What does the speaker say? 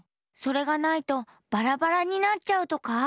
それがないとバラバラになっちゃうとか？